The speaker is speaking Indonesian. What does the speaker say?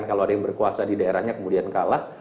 kalau ada yang berkuasa di daerahnya kemudian kalah